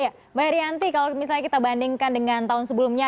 ya mbak herianti kalau misalnya kita bandingkan dengan tahun sebelumnya